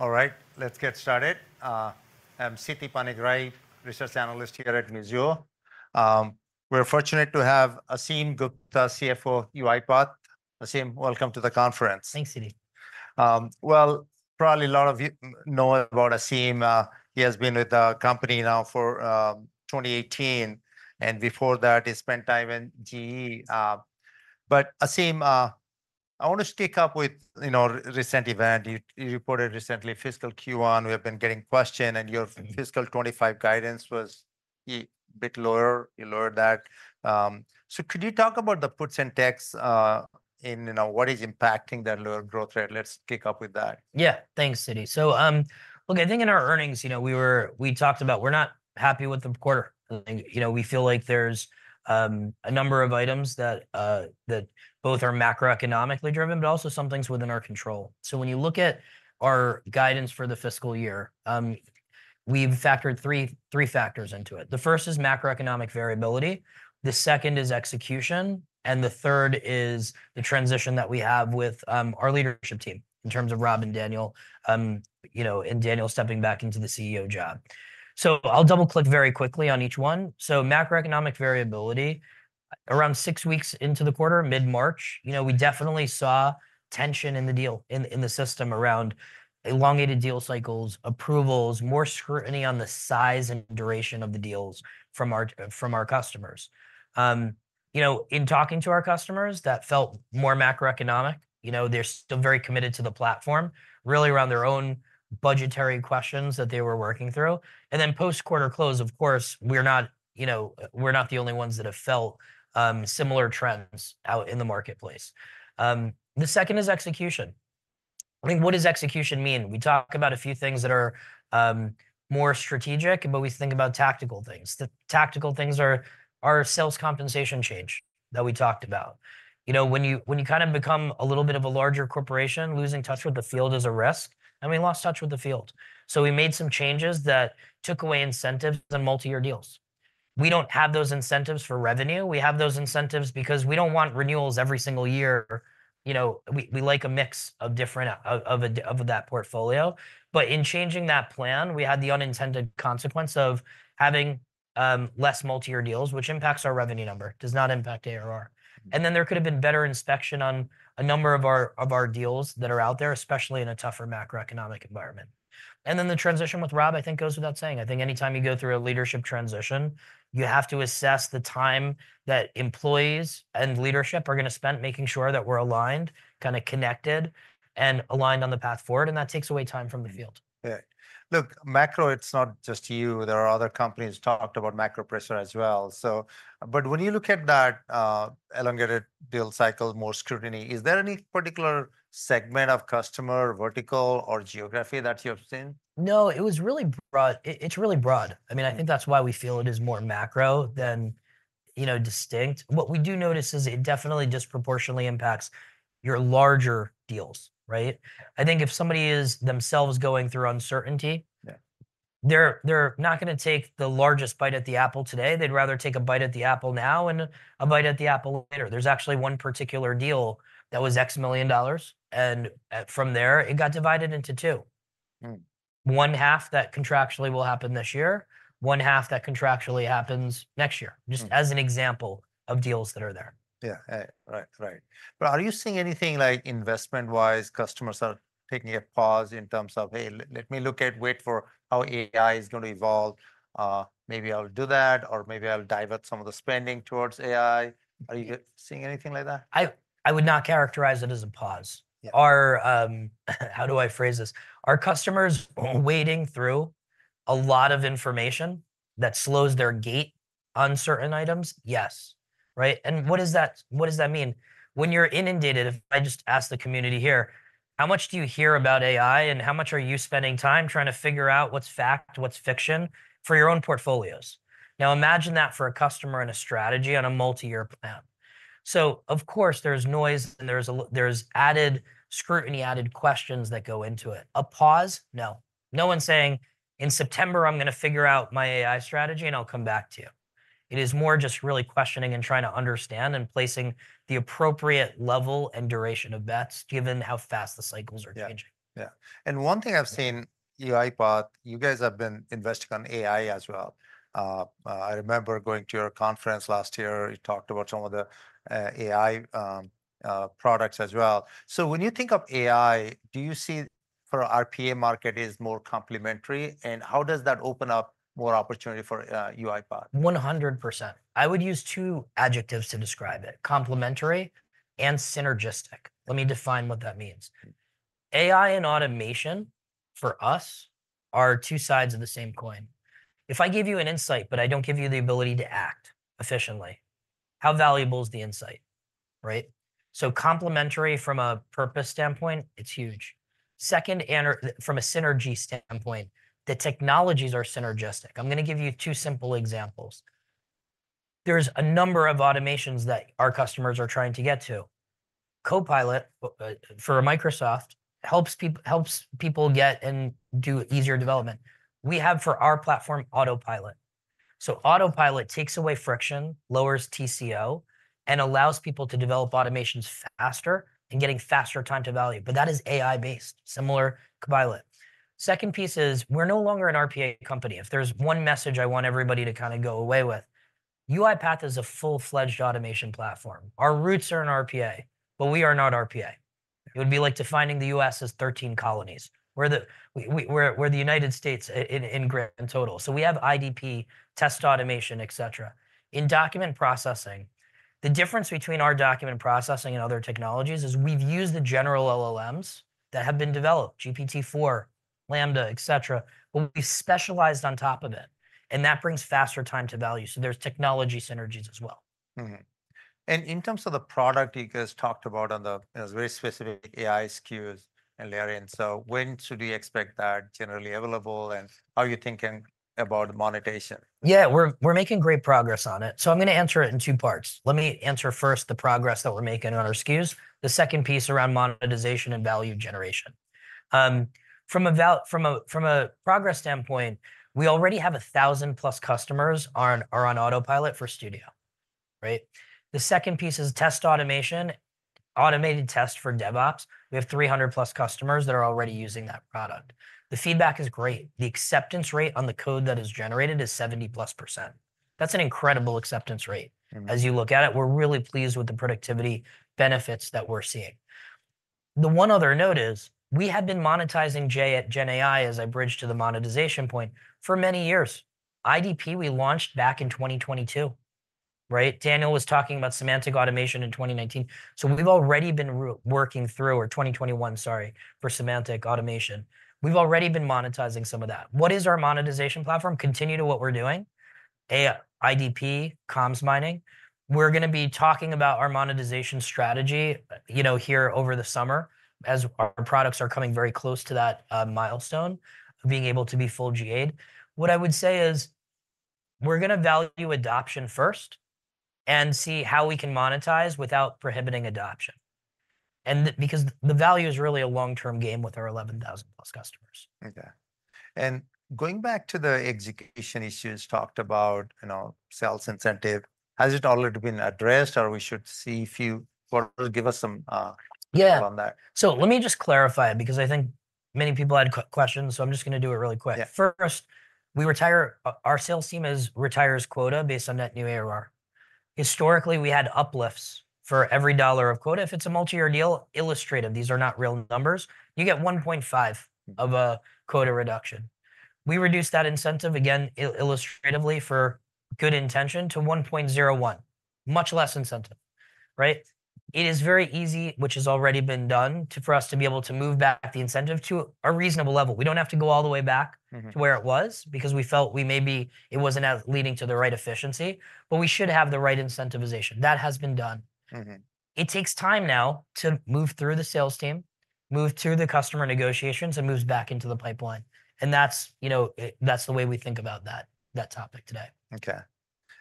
All right, let's get started. I'm Sitikantha Panigrahi, Research Analyst here at Mizuho. We're fortunate to have Ashim Gupta, CFO, UiPath. Ashim, welcome to the conference. Thanks, Siti. Well, probably a lot of you know about Ashim. He has been with the company since 2018, and before that, he spent time in GE. But Ashim, I want to start with a recent event. You reported Fiscal Q1 recently. We have been getting questions, and your Fiscal '25 guidance was a bit lower. You lowered that. So could you talk about the puts and takes in what is impacting that lower growth rate? Let's kick off with that. Yeah, thanks, Siti. So look, I think in our earnings, you know we talked about we're not happy with the quarter. We feel like there's a number of items that both are macroeconomically driven, but also some things within our control. So when you look at our guidance for the fiscal year, we've factored three factors into it. The first is macroeconomic variability. The second is execution. And the third is the transition that we have with our leadership team in terms of Rob and Daniel, and Daniel stepping back into the CEO job. So I'll double-click very quickly on each one. So macroeconomic variability, around six weeks into the quarter, mid-March, you know we definitely saw tension in the deal, in the system around elongated deal cycles, approvals, more scrutiny on the size and duration of the deals from our customers. In talking to our customers, that felt more macroeconomic. You know they're still very committed to the platform, really around their own budgetary questions that they were working through. And then post-quarter close, of course, we're not the only ones that have felt similar trends out in the marketplace. The second is execution. I mean, what does execution mean? We talk about a few things that are more strategic, but we think about tactical things. The tactical things are our sales compensation change that we talked about. You know when you kind of become a little bit of a larger corporation, losing touch with the field is a risk, and we lost touch with the field. So we made some changes that took away incentives on multi-year deals. We don't have those incentives for revenue. We have those incentives because we don't want renewals every single year. You know, we like a mix of different of that portfolio. But in changing that plan, we had the unintended consequence of having less multi-year deals, which impacts our revenue number, does not impact ARR. And then there could have been better inspection on a number of our deals that are out there, especially in a tougher macroeconomic environment. And then the transition with Rob, I think, goes without saying. I think anytime you go through a leadership transition, you have to assess the time that employees and leadership are going to spend making sure that we're aligned, kind of connected, and aligned on the path forward. And that takes away time from the field. Yeah. Look, macro, it's not just you. There are other companies who talked about macro pressure as well. But when you look at that elongated deal cycle, more scrutiny, is there any particular segment of customer, vertical, or geography that you've seen? No, it was really broad. It's really broad. I mean, I think that's why we feel it is more macro than distinct. What we do notice is it definitely disproportionately impacts your larger deals, right? I think if somebody is themselves going through uncertainty, they're not going to take the largest bite at the apple today. They'd rather take a bite at the apple now and a bite at the apple later. There's actually one particular deal that was $X million. And from there, it got divided into two. One half that contractually will happen this year, one half that contractually happens next year, just as an example of deals that are there. Yeah, right, right. But are you seeing anything like investment-wise? Customers are taking a pause in terms of, hey, let me look at, wait for how AI is going to evolve. Maybe I'll do that, or maybe I'll divert some of the spending towards AI. Are you seeing anything like that? I would not characterize it as a pause. How do I phrase this? Are customers wading through a lot of information that slows their gait on certain items? Yes, right? What does that mean? When you're inundated, if I just ask the community here, how much do you hear about AI, and how much are you spending time trying to figure out what's fact, what's fiction for your own portfolios? Now, imagine that for a customer and a strategy on a multi-year plan. Of course, there's noise, and there's added scrutiny, added questions that go into it. A pause? No. No one's saying, in September, I'm going to figure out my AI strategy, and I'll come back to you. It is more just really questioning and trying to understand and placing the appropriate level and duration of bets given how fast the cycles are changing. Yeah, yeah. And one thing I've seen, UiPath, you guys have been investing on AI as well. I remember going to your conference last year. You talked about some of the AI products as well. So when you think of AI, do you see for the RPA market is more complementary? And how does that open up more opportunity for UiPath? 100%. I would use two adjectives to describe it: complementary and synergistic. Let me define what that means. AI and automation, for us, are two sides of the same coin. If I give you an insight, but I don't give you the ability to act efficiently, how valuable is the insight, right? So complementary from a purpose standpoint, it's huge. Second, from a synergy standpoint, the technologies are synergistic. I'm going to give you two simple examples. There's a number of automations that our customers are trying to get to. Copilot for Microsoft helps people get and do easier development. We have for our platform, Autopilot. So Autopilot takes away friction, lowers TCO, and allows people to develop automations faster and getting faster time to value. But that is AI-based, similar to Copilot. Second piece is we're no longer an RPA company. If there's one message I want everybody to kind of go away with, UiPath is a full-fledged automation platform. Our roots are in RPA, but we are not RPA. It would be like defining the U.S. as 13 colonies, where the United States in grand total. So we have IDP, test automation, et cetera. In document processing, the difference between our document processing and other technologies is we've used the general LLMs that have been developed- GPT-4, LaMDA, et cetera, but we've specialized on top of it. And that brings faster time to value. So there's technology synergies as well. In terms of the product you guys talked about on the very specific AI SKUs and layering, so when should we expect that generally available, and how are you thinking about monetization? Yeah, we're making great progress on it. So I'm going to answer it in two parts. Let me answer first the progress that we're making on our SKUs, the second piece around monetization and value generation. From a progress standpoint, we already have 1,000+ customers on Autopilot for Studio, right? The second piece is test automation, automated test for DevOps. We have 300+ customers that are already using that product. The feedback is great. The acceptance rate on the code that is generated is 70+%. That's an incredible acceptance rate. As you look at it, we're really pleased with the productivity benefits that we're seeing. The one other note is we had been monetizing GenAI, as I bridged to the monetization point, for many years. IDP, we launched back in 2022, right? Daniel was talking about semantic automation in 2019. So we've already been working through, or 2021, sorry, for semantic automation. We've already been monetizing some of that. What is our monetization platform? Continue to what we're doing, IDP, Comms Mining. We're going to be talking about our monetization strategy here over the summer as our products are coming very close to that milestone, being able to be full GA. What I would say is we're going to value adoption first and see how we can monetize without prohibiting adoption. And because the value is really a long-term game with our 11,000+ customers. OK. And going back to the execution issues talked about, sales incentive, has it already been addressed, or we should see if you want to give us some on that? Yeah. So let me just clarify it because I think many people had questions. So I'm just going to do it really quick. First, our sales team retires quota based on net new ARR. Historically, we had uplifts for every dollar of quota. If it's a multi-year deal, illustrative, these are not real numbers, you get 1.5 of a quota reduction. We reduced that incentive, again, illustratively for good intention, to 1.01, much less incentive, right? It is very easy, which has already been done, for us to be able to move back the incentive to a reasonable level. We don't have to go all the way back to where it was because we felt we maybe it wasn't leading to the right efficiency, but we should have the right incentivization. That has been done. It takes time now to move through the sales team, move to the customer negotiations, and moves back into the pipeline. That's the way we think about that topic today. OK.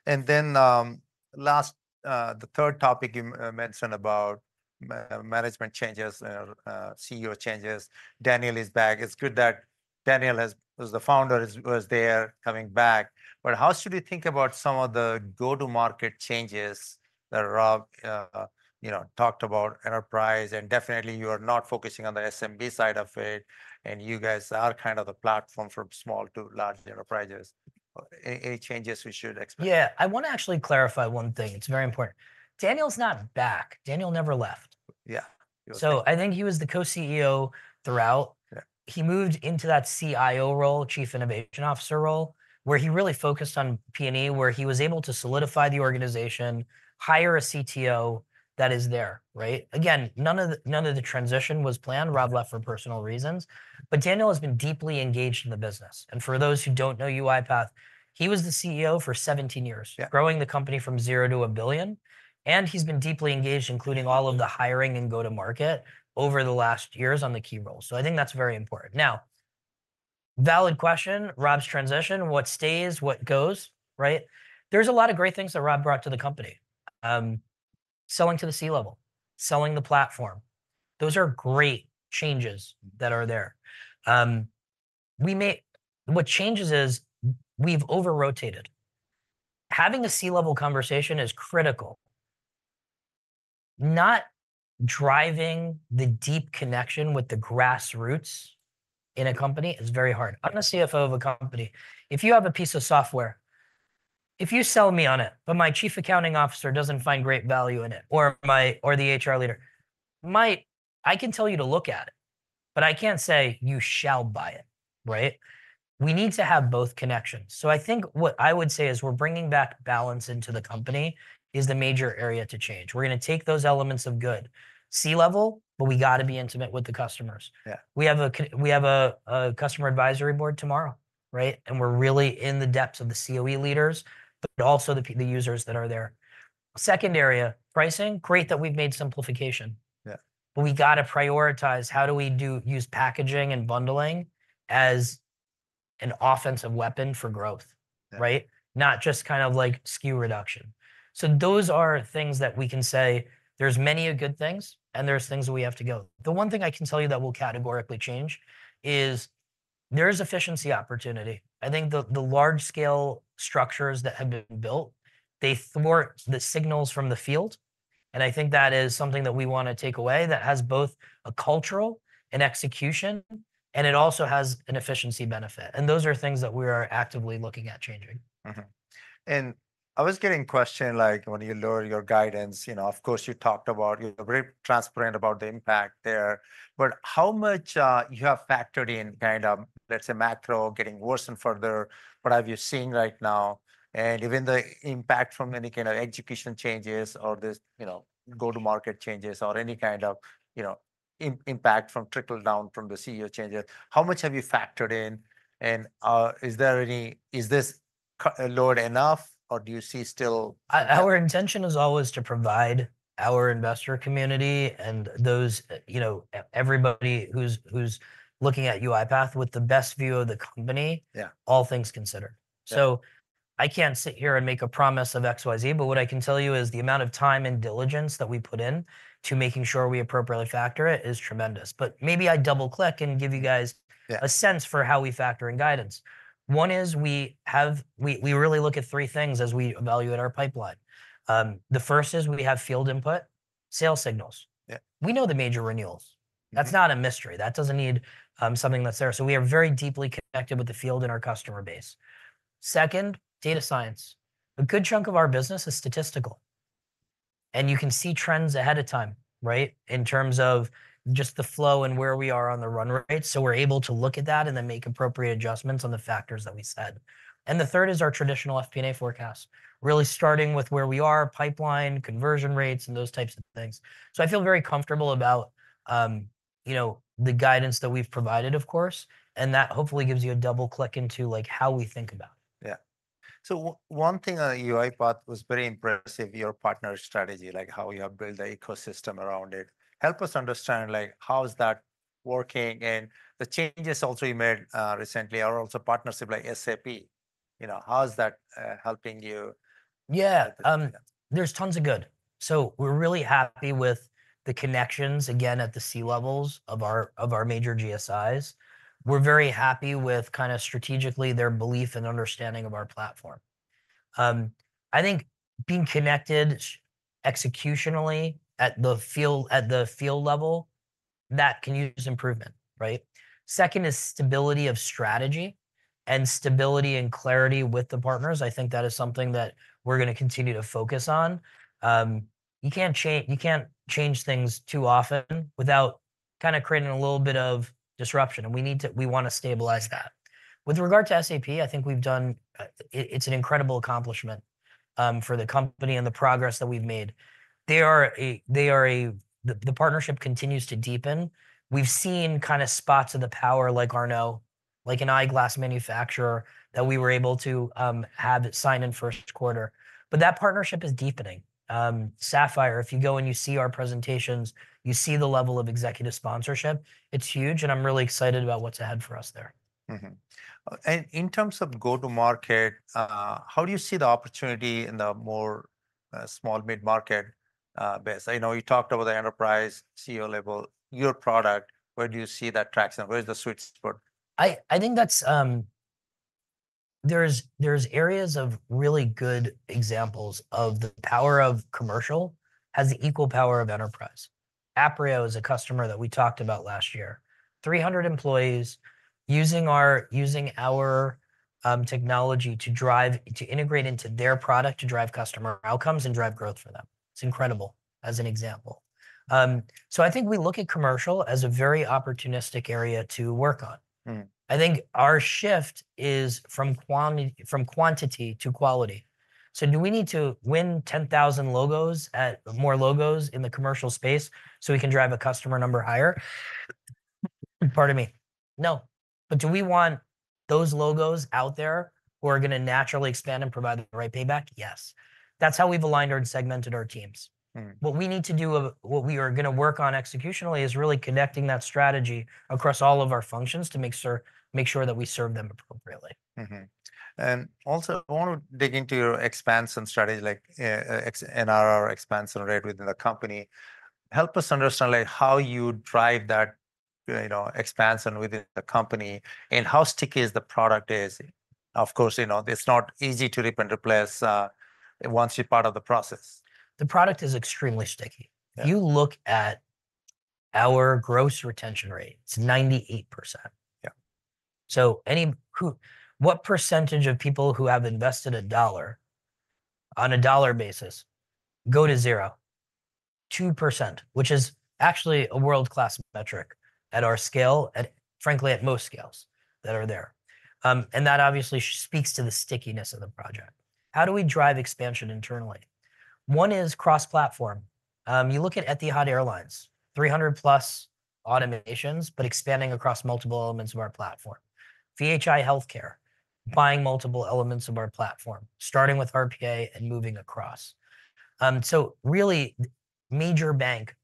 And then last, the third topic you mentioned about management changes, CEO changes. Daniel is back. It's good that Daniel, who's the founder, was there coming back. But how should we think about some of the go-to-market changes that Rob talked about, enterprise? And definitely, you are not focusing on the SMB side of it. And you guys are kind of the platform for small to large enterprises. Any changes we should expect? Yeah, I want to actually clarify one thing. It's very important. Daniel's not back. Daniel never left. Yeah. So I think he was the Co-CEO throughout. He moved into that CIO role, Chief Innovation Officer role, where he really focused on P&E, where he was able to solidify the organization, hire a CTO that is there, right? Again, none of the transition was planned. Rob left for personal reasons. But Daniel has been deeply engaged in the business. And for those who don't know UiPath, he was the CEO for 17 years, growing the company from zero to a billion. And he's been deeply engaged, including all of the hiring and go-to-market over the last years on the key roles. So I think that's very important. Now, valid question, Rob's transition, what stays, what goes, right? There's a lot of great things that Rob brought to the company. Selling to the C-level, selling the platform, those are great changes that are there. What changes is we've over-rotated. Having a C-level conversation is critical. Not driving the deep connection with the grassroots in a company is very hard. I'm the CFO of a company. If you have a piece of software, if you sell me on it, but my chief accounting officer doesn't find great value in it, or the HR leader, I can tell you to look at it, but I can't say you shall buy it, right? We need to have both connections. So I think what I would say is we're bringing back balance into the company is the major area to change. We're going to take those elements of good C-level, but we got to be intimate with the customers. We have a customer advisory board tomorrow, right? And we're really in the depths of the COE leaders, but also the users that are there. Second area, pricing. Great that we've made simplification. But we got to prioritize how do we use packaging and bundling as an offensive weapon for growth, right? Not just kind of like SKU reduction. So those are things that we can say there's many good things, and there's things we have to go. The one thing I can tell you that we'll categorically change is there is efficiency opportunity. I think the large-scale structures that have been built, they thwart the signals from the field. And I think that is something that we want to take away that has both a cultural and execution, and it also has an efficiency benefit. And those are things that we are actively looking at changing. And I was getting a question like when you lower your guidance, you know, of course, you talked about you're very transparent about the impact there. But how much you have factored in kind of, let's say, macro getting worse and further, what have you seen right now? And even the impact from any kind of execution changes or the go-to-market changes or any kind of impact from trickle-down from the CEO changes, how much have you factored in? And is this lowered enough, or do you see still? Our intention is always to provide our investor community and everybody who's looking at UiPath with the best view of the company, all things considered. So I can't sit here and make a promise of X, Y, Z, but what I can tell you is the amount of time and diligence that we put in to making sure we appropriately factor it is tremendous. But maybe I double-click and give you guys a sense for how we factor in guidance. One is we really look at three things as we evaluate our pipeline. The first is we have field input, sales signals. We know the major renewals. That's not a mystery. That doesn't need something that's there. So we are very deeply connected with the field and our customer base. Second, data science. A good chunk of our business is statistical. You can see trends ahead of time, right, in terms of just the flow and where we are on the run rate. We're able to look at that and then make appropriate adjustments on the factors that we said. The third is our traditional FP&A forecast, really starting with where we are, pipeline, conversion rates, and those types of things. I feel very comfortable about the guidance that we've provided, of course. That hopefully gives you a double-click into how we think about it. Yeah. So one thing on UiPath was very impressive, your partner strategy, like how you have built the ecosystem around it. Help us understand how is that working. And the changes also you made recently are also partnership like SAP. How is that helping you? Yeah. There's tons of good. So we're really happy with the connections, again, at the C-levels of our major GSIs. We're very happy with kind of strategically their belief and understanding of our platform. I think being connected executionally at the field level, that can use improvement, right? Second is stability of strategy and stability and clarity with the partners. I think that is something that we're going to continue to focus on. You can't change things too often without kind of creating a little bit of disruption. And we want to stabilize that. With regard to SAP, I think we've done. It's an incredible accomplishment for the company and the progress that we've made. The partnership continues to deepen. We've seen kind of spots of the power, like Arnotts, like an eyeglass manufacturer that we were able to have sign in first quarter. But that partnership is deepening. Sapphire, if you go and you see our presentations, you see the level of executive sponsorship. It's huge. I'm really excited about what's ahead for us there. And in terms of go-to-market, how do you see the opportunity in the more small-mid market base? I know you talked about the enterprise CEO level, your product. Where do you see that traction? Where's the sweet spot? I think there's areas of really good examples of the power of commercial has the equal power of enterprise. Aprio is a customer that we talked about last year, 300 employees using our technology to integrate into their product to drive customer outcomes and drive growth for them. It's incredible, as an example. So I think we look at commercial as a very opportunistic area to work on. I think our shift is from quantity to quality. So do we need to win 10,000 logos, more logos in the commercial space so we can drive a customer number higher? Pardon me. No. But do we want those logos out there who are going to naturally expand and provide the right payback? Yes. That's how we've aligned our and segmented our teams. What we need to do, what we are going to work on executionally, is really connecting that strategy across all of our functions to make sure that we serve them appropriately. Also, I want to dig into your expansion strategy, like NRR expansion rate within the company. Help us understand how you drive that expansion within the company and how sticky the product is. Of course, it's not easy to rip and replace once you're part of the process. The product is extremely sticky. If you look at our gross retention rate, it's 98%. Yeah. So what percentage of people who have invested a dollar on a dollar basis go to zero? 2%, which is actually a world-class metric at our scale, frankly, at most scales that are there. And that obviously speaks to the stickiness of the product. How do we drive expansion internally? One is cross-platform. You look at Etihad Airways, 300+ automations, but expanding across multiple elements of our platform. Vhi Healthcare, buying multiple elements of our platform, starting with RPA and moving across. So really, major bank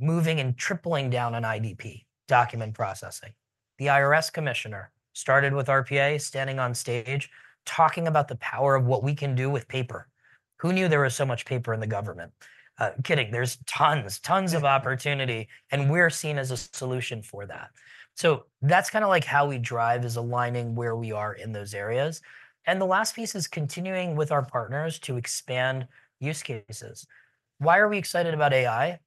moving and tripling down on IDP, document processing. The IRS Commissioner started with RPA, standing on stage, talking about the power of what we can do with paper. Who knew there was so much paper in the government? Kidding. There's tons, tons of opportunity. We're seen as a solution for that. That's kind of like how we drive is aligning where we are in those areas. The last piece is continuing with our partners to expand use cases. Why are we excited about AI?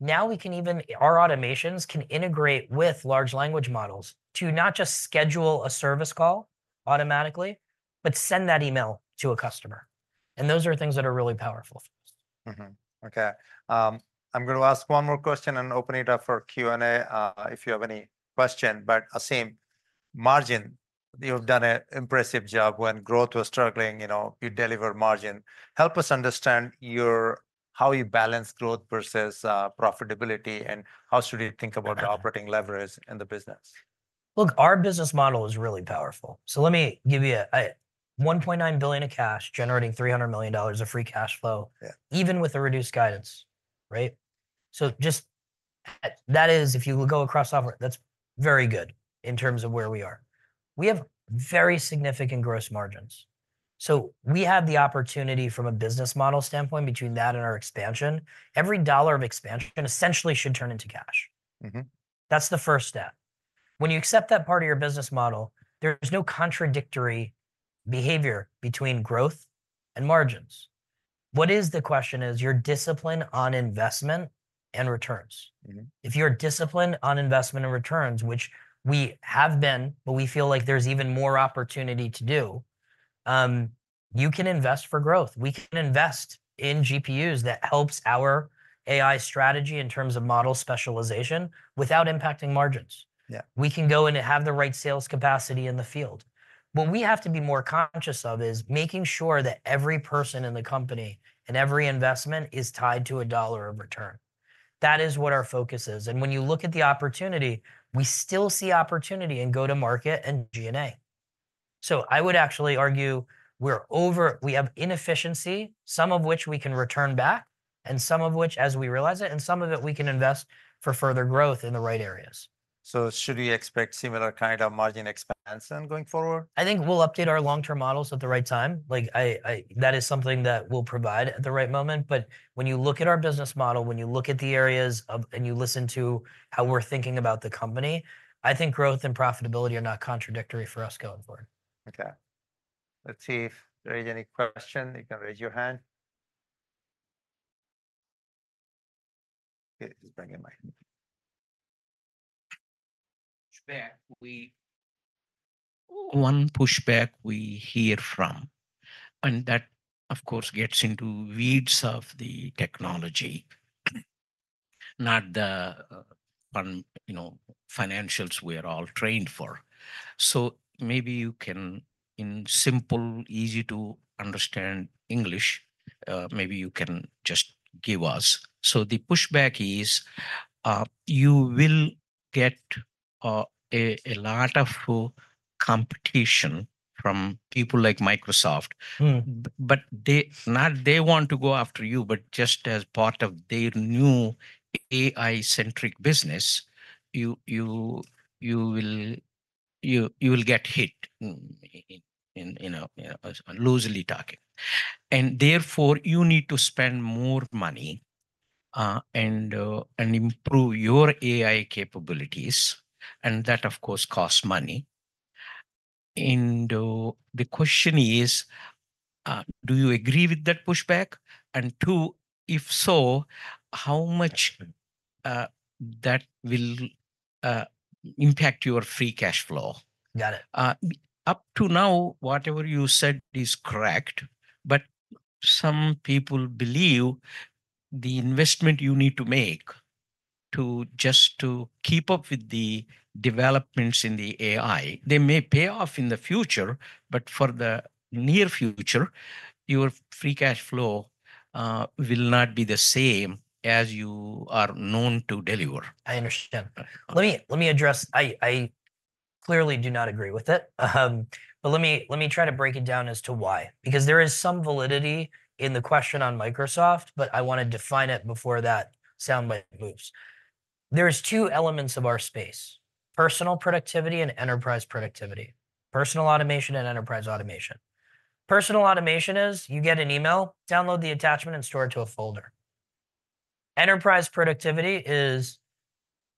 Now we can even, our automations can integrate with large language models to not just schedule a service call automatically, but send that email to a customer. Those are things that are really powerful. OK. I'm going to ask one more question and open it up for Q&A if you have any question. But Ashim, margin, you've done an impressive job when growth was struggling. You deliver margin. Help us understand how you balance growth versus profitability and how should we think about the operating leverage in the business. Look, our business model is really powerful. So let me give you a $1.9 billion of cash generating $300 million of free cash flow, even with a reduced guidance, right? So just that is, if you go across software, that's very good in terms of where we are. We have very significant gross margins. So we have the opportunity from a business model standpoint between that and our expansion. Every dollar of expansion essentially should turn into cash. That's the first step. When you accept that part of your business model, there's no contradictory behavior between growth and margins. What is the question is your discipline on investment and returns. If you're disciplined on investment and returns, which we have been, but we feel like there's even more opportunity to do, you can invest for growth. We can invest in GPUs that helps our AI strategy in terms of model specialization without impacting margins. We can go and have the right sales capacity in the field. What we have to be more conscious of is making sure that every person in the company and every investment is tied to a dollar of return. That is what our focus is. And when you look at the opportunity, we still see opportunity in go-to-market and G&A. So I would actually argue we have inefficiency, some of which we can return back and some of which, as we realize it, and some of it we can invest for further growth in the right areas. Should we expect similar kind of margin expansion going forward? I think we'll update our long-term models at the right time. That is something that we'll provide at the right moment. But when you look at our business model, when you look at the areas and you listen to how we're thinking about the company, I think growth and profitability are not contradictory for us going forward. OK. Let's see if there is any question. You can raise your hand. One pushback we hear from. And that, of course, gets into weeds of the technology, not the financials we are all trained for. So maybe you can, in simple, easy-to-understand English, maybe you can just give us. So the pushback is you will get a lot of competition from people like Microsoft. But they want to go after you, but just as part of their new AI-centric business, you will get hit, loosely talking. And therefore, you need to spend more money and improve your AI capabilities. And that, of course, costs money. And the question is, do you agree with that pushback? And two, if so, how much that will impact your free cash flow? Up to now, whatever you said is correct. Some people believe the investment you need to make just to keep up with the developments in the AI. They may pay off in the future. For the near future, your free cash flow will not be the same as you are known to deliver. I understand. Let me address it. I clearly do not agree with it. But let me try to break it down as to why. Because there is some validity in the question on Microsoft, but I want to define it before that soundbite moves. There's two elements of our space: personal productivity and enterprise productivity, personal automation and enterprise automation. Personal automation is you get an email, download the attachment, and store it to a folder. Enterprise productivity is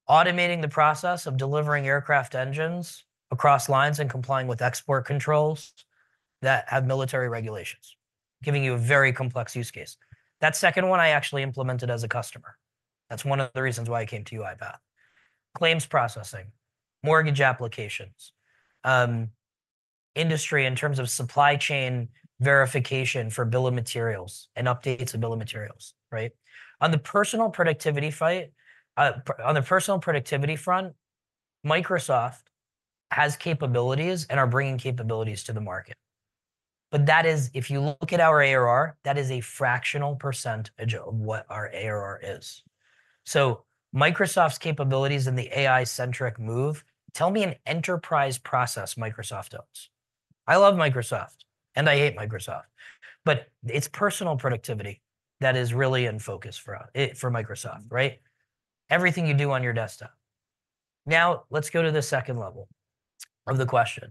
automating the process of delivering aircraft engines across lines and complying with export controls that have military regulations, giving you a very complex use case. That second one I actually implemented as a customer. That's one of the reasons why I came to UiPath. Claims processing, mortgage applications, industry in terms of supply chain verification for bill of materials and updates of bill of materials, right? On the personal productivity front, Microsoft has capabilities and are bringing capabilities to the market. But that is, if you look at our ARR, that is a fractional percentage of what our ARR is. So Microsoft's capabilities and the AI-centric move, tell me an enterprise process Microsoft owns. I love Microsoft, and I hate Microsoft. But it's personal productivity that is really in focus for Microsoft, right? Everything you do on your desktop. Now, let's go to the second level of the question.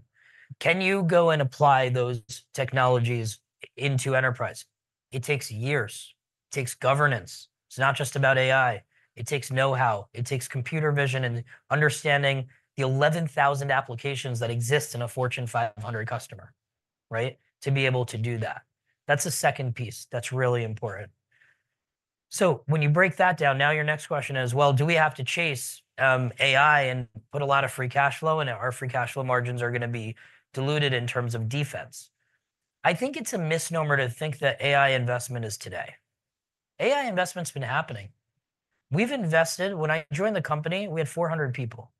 Can you go and apply those technologies into enterprise? It takes years. It takes governance. It's not just about AI. It takes know-how. It takes computer vision and understanding the 11,000 applications that exist in a Fortune 500 customer, right, to be able to do that. That's a second piece that's really important. So when you break that down, now your next question is, well, do we have to chase AI and put a lot of free cash flow? And our free cash flow margins are going to be diluted in terms of defense. I think it's a misnomer to think that AI investment is today. AI investment's been happening. When I joined the company, we had 400 people.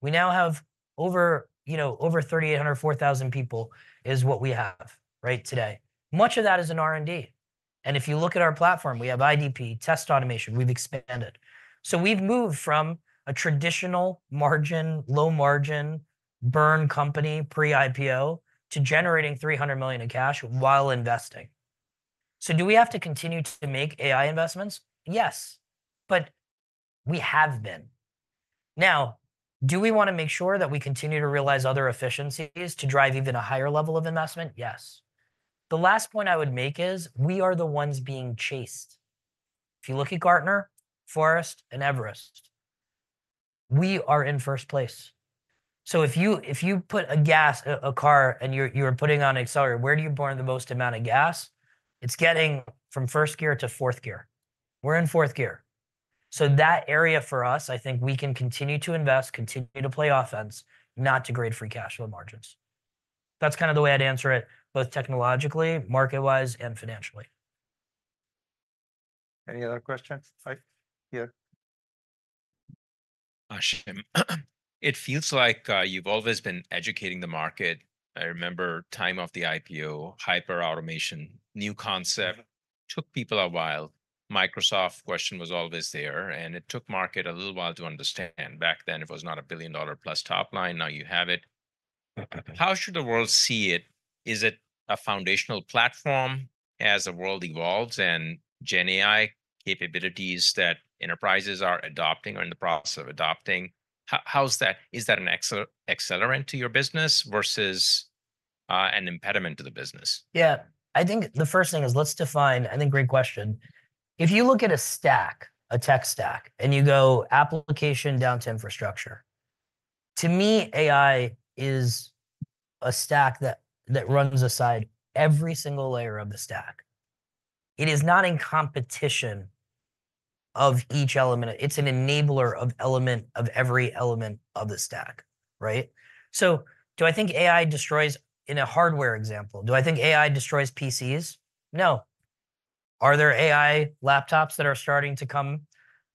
We now have over 3,800-4,000 people is what we have right today. Much of that is in R&D. And if you look at our platform, we have IDP, test automation. We've expanded. So we've moved from a traditional margin, low margin, burn company pre-IPO to generating $300 million in cash while investing. So do we have to continue to make AI investments? Yes. But we have been. Now, do we want to make sure that we continue to realize other efficiencies to drive even a higher level of investment? Yes. The last point I would make is we are the ones being chased. If you look at Gartner, Forrester, and Everest Group, we are in first place. So if you put gas in a car, and you're putting on accelerator, where do you burn the most amount of gas? It's getting from first gear to fourth gear. We're in fourth gear. So that area for us, I think we can continue to invest, continue to play offense, not degrade free cash flow margins. That's kind of the way I'd answer it, both technologically, market-wise, and financially. Any other questions? Here. Ashim, it feels like you've always been educating the market. I remember the time of the IPO, Hyperautomation, new concept, took people a while. Microsoft question was always there. And it took the market a little while to understand. Back then, it was not a billion-dollar-plus top line. Now you have it. How should the world see it? Is it a foundational platform as the world evolves and GenAI capabilities that enterprises are adopting or in the process of adopting? How's that? Is that an accelerant to your business versus an impediment to the business? Yeah. I think the first thing is, let's define—I think—great question. If you look at a stack, a tech stack, and you go application down to infrastructure; to me, AI is a stack that runs alongside every single layer of the stack. It is not in competition of each element. It's an enabler of every element of the stack, right? So do I think AI destroys, in a hardware example, do I think AI destroys PCs? No. Are there AI laptops that are starting to come?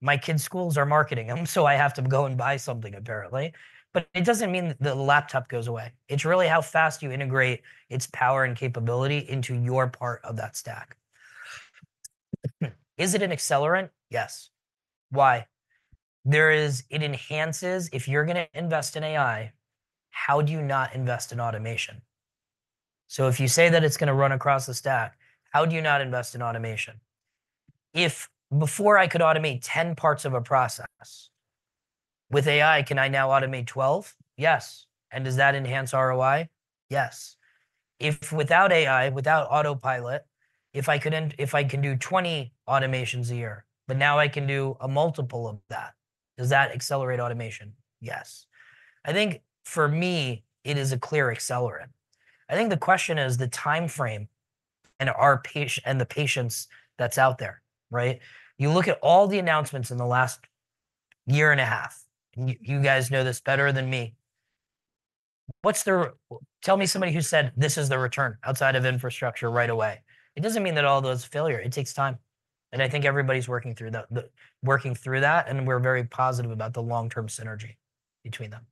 My kids' schools are marketing them, so I have to go and buy something, apparently. But it doesn't mean that the laptop goes away. It's really how fast you integrate its power and capability into your part of that stack. Is it an accelerant? Yes. Why? It enhances. If you're going to invest in AI, how do you not invest in automation? So if you say that it's going to run across the stack, how do you not invest in automation? If before I could automate 10 parts of a process with AI, can I now automate 12? Yes. And does that enhance ROI? Yes. If without AI, without Autopilot, if I can do 20 automations a year, but now I can do a multiple of that, does that accelerate automation? Yes. I think for me, it is a clear accelerant. I think the question is the time frame and the patience that's out there, right? You look at all the announcements in the last year and a half. You guys know this better than me. Tell me somebody who said, this is the return outside of infrastructure right away. It doesn't mean that all those failures. It takes time. And I think everybody's working through that. We're very positive about the long-term synergy between them.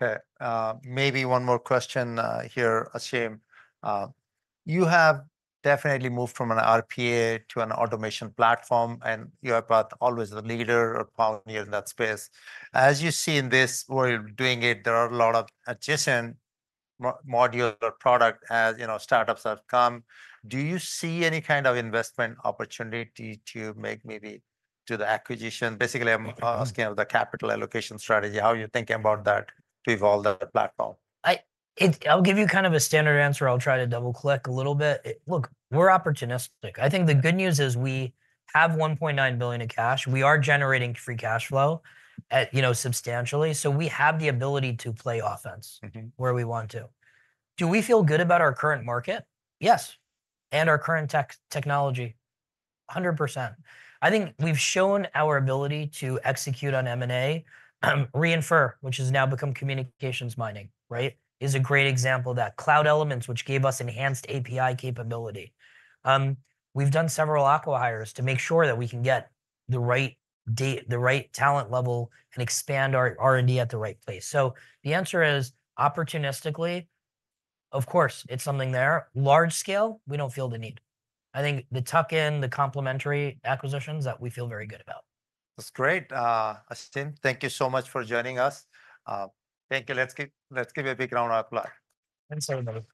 OK. Maybe one more question here, Ashim. You have definitely moved from an RPA to an automation platform. And you are and always the leader or pioneer in that space. As you see in this world doing it, there are a lot of adjacent modular products as startups have come. Do you see any kind of investment opportunity to make maybe to the acquisition? Basically, I'm asking of the capital allocation strategy. How are you thinking about that to evolve that platform? I'll give you kind of a standard answer. I'll try to double-click a little bit. Look, we're opportunistic. I think the good news is we have $1.9 billion in cash. We are generating free cash flow substantially. So we have the ability to play offense where we want to. Do we feel good about our current market? Yes. And our current technology? 100%. I think we've shown our ability to execute on M&A. Re:infer, which has now become Communications Mining, right, is a great example of that. Cloud Elements, which gave us enhanced API capability. We've done several acqui-hires to make sure that we can get the right talent level and expand our R&D at the right place. So the answer is opportunistically, of course, it's something there. Large scale, we don't feel the need. I think the tuck-in, the complementary acquisitions that we feel very good about. That's great. Ashim, thank you so much for joining us. Thank you. Let's give a big round of applause. Thanks so much.